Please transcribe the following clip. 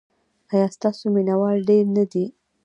ایا ستاسو مینه وال ډیر نه دي؟